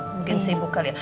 mungkin sibuk kali ya